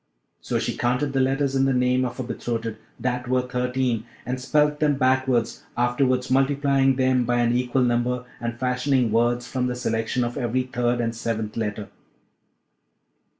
So she counted the letters in the name of her betrothed, that were thirteen, and spelt them backwards, afterwards multiplying them by an equal number, and fashioning words from the selection of every third and seventh letter.